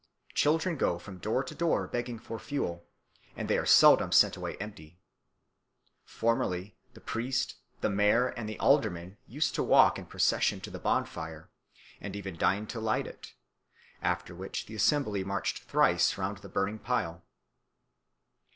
Children go from door to door begging for fuel, and they are seldom sent empty away. Formerly the priest, the mayor, and the aldermen used to walk in procession to the bonfire, and even deigned to light it; after which the assembly marched thrice round the burning pile.